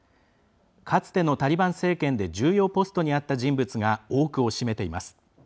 かつてのタリバン政権で重要ポストにあった人物が多くを占めています。